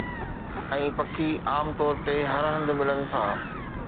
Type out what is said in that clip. ۽ پکي عام طور تي هر هنڌ ملن ٿا